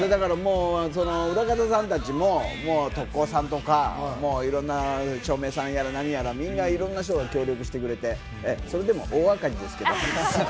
裏方さんたちも特効さんとか、照明さんやら何やら、いろんな人が協力してくれて、それで大赤字ですけど。